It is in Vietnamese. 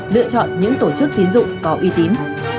lựa chọn những tổ chức tín dụng có uy tín